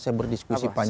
saya berdiskusi panjang